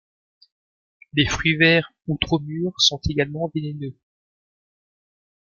Les fruits verts ou trop mûrs sont également vénéneux.